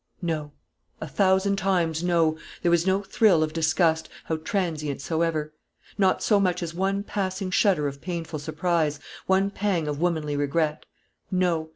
No; a thousand times, no! There was no thrill of disgust, how transient soever; not so much as one passing shudder of painful surprise, one pang of womanly regret. No!